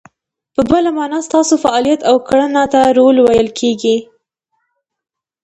په بله مانا، ستاسو فعالیت او کړنو ته رول ویل کیږي.